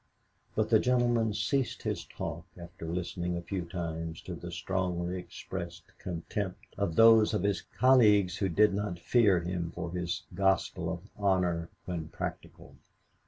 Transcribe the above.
But the gentleman ceased his talk after listening a few times to the strongly expressed contempt of those of his colleagues who did not fear him for his gospel of honor when practical.